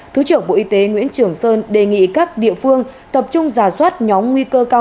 thứ trưởng bộ y tế nguyễn trường sơn đề nghị các địa phương tập trung giả soát nhóm nguy cơ cao